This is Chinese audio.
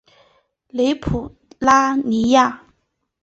勒普拉尼亚。